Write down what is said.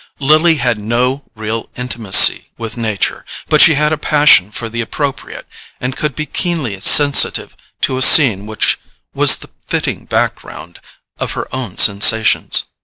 Lily had no real intimacy with nature, but she had a passion for the appropriate and could be keenly sensitive to a scene which was the fitting background of her own sensations.